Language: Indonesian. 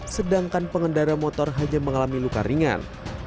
sedangkan pengendara motor hanya mengalami luka ringan